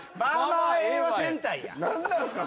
何なんすか！？